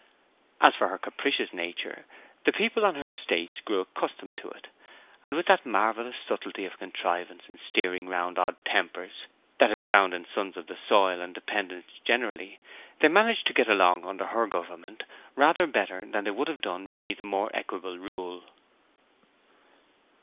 As for her capricious nature, the people on her estates grew accustomed to it, and with that marvellous subtlety of contrivance in steering round odd tempers, that is found in sons of the soil and dependants generally, they managed to get along under her government rather better than they would have done beneath a more equable rule.